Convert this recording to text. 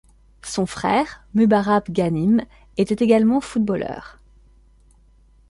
Son frère, Mubarak Ghanim, était également footballeur.